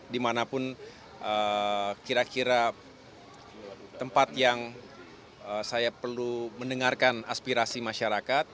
dimanapun kira kira tempat yang saya perlu mendengarkan aspirasi masyarakat